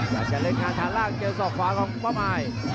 อยากจะเล่นทางทางล่างเกี่ยวสอกขวาของป๊อปอาย